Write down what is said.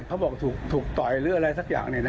เขาบอกถูกถูกตอยหรืออะไรสักอย่างนี่นะ